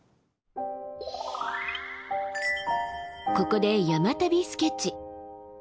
ここで山旅スケッチ。